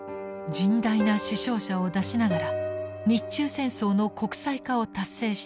甚大な死傷者を出しながら日中戦争の国際化を達成した介石。